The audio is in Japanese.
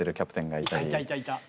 いたいたいたいた。